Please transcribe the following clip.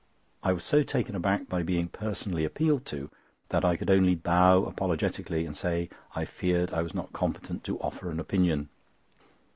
I was so taken aback by being personally appealed to, that I could only bow apologetically, and say I feared I was not competent to offer an opinion.